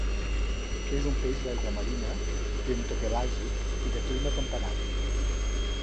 És un peix d'aigua marina, bentopelàgic i de clima temperat.